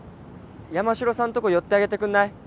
山城さんとこ寄ってあげてくんない？